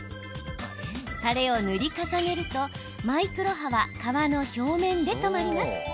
たれを塗り重ねるとマイクロ波は皮の表面で止まります。